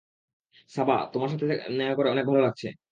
সারা, তোমার সাথে করে অনেক ভালো লাগছে।